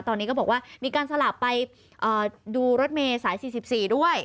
ตอนนี้ก็บอกว่ามีการสลับไปดูรถเมย์สาย๔๔ด้วย